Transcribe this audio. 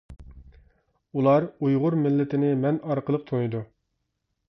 ئۇلار ئۇيغۇر مىللىتىنى مەن ئارقىلىق تونۇيدۇ.